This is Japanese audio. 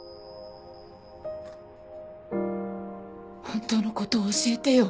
本当の事を教えてよ。